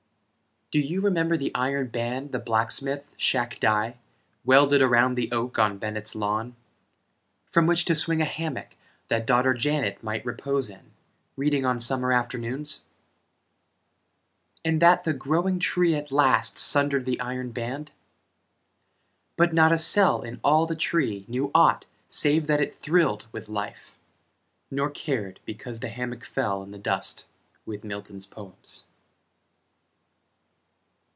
Do you remember the iron band The blacksmith, Shack Dye, welded Around the oak on Bennet's lawn, From which to swing a hammock, That daughter Janet might repose in, reading On summer afternoons? And that the growing tree at last Sundered the iron band? But not a cell in all the tree Knew aught save that it thrilled with life, Nor cared because the hammock fell In the dust with Milton's Poems.